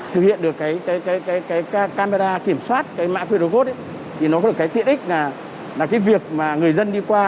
thực hiện được cái camera kiểm soát cái mã qr thì nó có một cái tiện ích là cái việc mà người dân đi qua